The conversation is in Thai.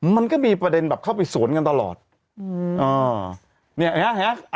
มันก็มีประเด็นแบบเข้าไปสวนกันตลอดอืมอ่าเนี่ยฮะ